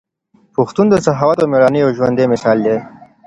پښتون د سخاوت او ميړانې یو ژوندی مثال دی.